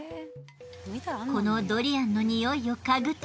このドリアンのニオイをかぐと。